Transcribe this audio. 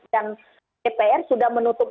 dan ppr sudah menutup